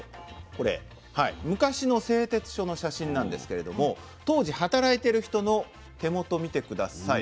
これ昔の製鉄所の写真なんですけれども当時働いてる人の手元見て下さい。